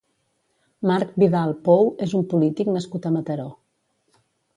Marc Vidal Pou és un polític nascut a Mataró.